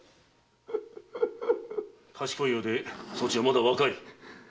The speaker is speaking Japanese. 賢いようでそちはまだ若い。